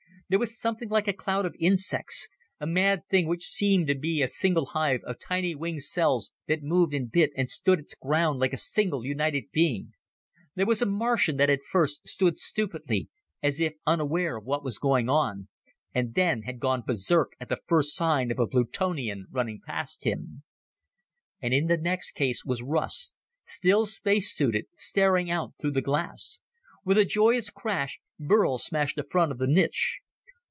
There was something like a cloud of insects a mad thing which seemed to be a single hive of tiny winged cells that moved and bit and stood its ground like a single united being. There was a Martian that had at first stood stupidly, as if unaware of what was going on, and then had gone berserk at the first sight of a Plutonian running past him. And in the next case was Russ, still space suited, staring out through the glass. With a joyous crash, Burl smashed the front of the niche.